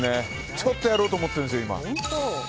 ちょっとやろうと思ってるんです今。